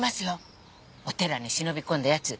お寺に忍び込んだ奴